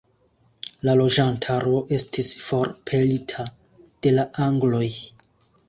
La loĝantaro estis forpelita de la angloj.